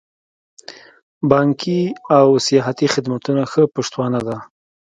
بانکي او سیاحتي خدمتونه ښه پشتوانه ده.